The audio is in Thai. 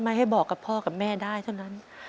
ให้บอกกับพ่อกับแม่ได้เท่านั้น